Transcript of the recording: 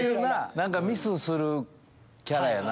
何かミスするキャラやな。